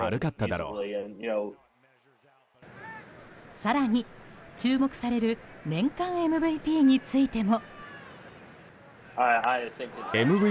更に、注目される年間ＭＶＰについても。